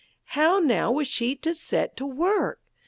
How, now, was she to set to work?